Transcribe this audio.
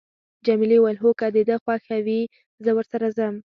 جميلې وويل: هو، که د ده خوښه وي، زه ورسره ځم.